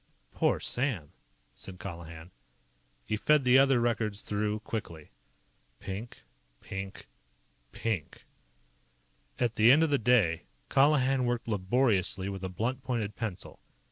"Poor Sam!" said Colihan. He fed the other records through quickly. Pink. Pink. PINK. At the end of the day, Colihan worked laboriously with a blunt pointed pencil.